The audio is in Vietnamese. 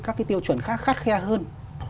các cái tiêu chuẩn khác khát khe hơn